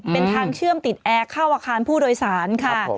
เป็นทางเชื่อมติดแอร์เข้าอาคารผู้โดยสารค่ะ